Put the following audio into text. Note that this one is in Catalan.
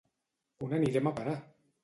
On anirem a parar!